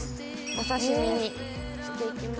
お刺し身にしていきます。